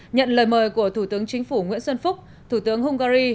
nhận lời mời của thủ tướng chính phủ nguyễn xuân phúc thủ tướng hungary